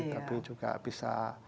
tapi juga bisa